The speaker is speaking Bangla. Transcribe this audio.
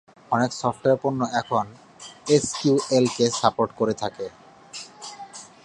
অনেক সফটওয়্যার পণ্য এখন এসকিউএল কে সাপোর্ট করে থাকে।